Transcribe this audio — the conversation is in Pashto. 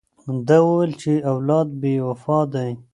ده وویل چې اولاد بې وفا دی.